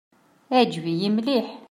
Iɛǧeb-iyi mliḥ.